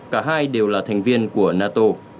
cả hai đều là thành viên của nato